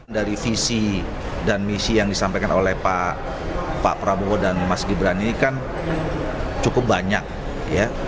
dari visi dan misi yang disampaikan oleh pak prabowo dan mas gibran ini kan cukup banyak ya